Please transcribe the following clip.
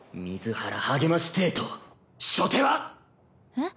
えっ？